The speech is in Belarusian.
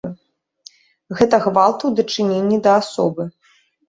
Гэта гвалт у дачыненні да асобы.